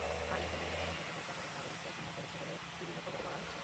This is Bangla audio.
আইএসের জঙ্গিরা অনেক বেসামরিক নাগরিককে জিম্মি করেছে বলেও বিভিন্ন খবরে বলা হচ্ছে।